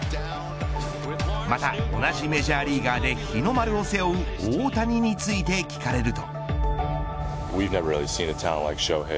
また同じメジャーリーガーで日の丸を背負う大谷について聞かれると。